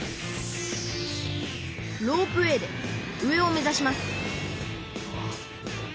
ロープウエーで上を目ざします